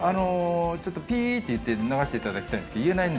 ちょっと、ピっていって、流していただきたいんですけど。